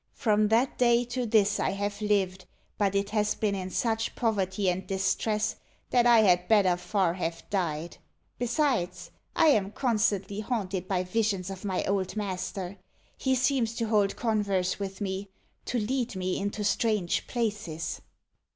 _ From that day to this I have lived, but it has been in such poverty and distress, that I had better far have died. Besides, I am constantly haunted by visions of my old master. He seems to hold converse with me to lead me into strange places."